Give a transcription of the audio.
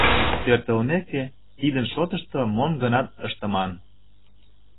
Пӧртылмек, тидын шотышто мом-гынат ыштыман.